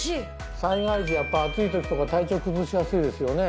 災害時やっぱ暑い時とか体調崩しやすいですよね。